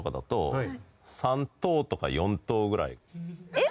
えっ？